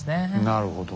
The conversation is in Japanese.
なるほどね。